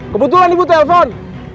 kebetulan ibu telfon